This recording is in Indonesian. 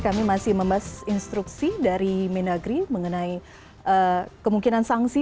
kami masih membahas instruksi dari mendagri mengenai kemungkinan sanksi